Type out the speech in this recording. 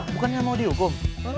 bukan mau dihukum